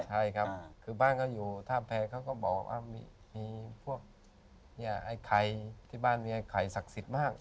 ใช่ครับคือบ้านเขาอยู่ท่าแพรเขาก็บอกว่ามีพวกไอ้ไข่ที่บ้านมีไอ้ไข่ศักดิ์สิทธิ์บ้าง